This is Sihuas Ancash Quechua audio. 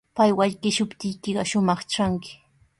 Pay wallkishuptiykiqa shumaq tranki.